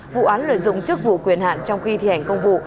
vụ án lợi dụng chức vụ quyền hạn trong khi thi hành công vụ